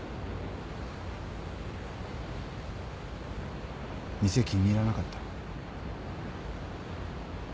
店気に入らなかった？